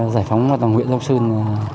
giải phóng một vòng huyện lộc sơn